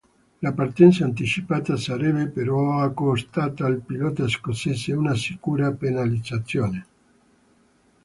La partenza anticipata sarebbe però costata al pilota scozzese una sicura penalizzazione.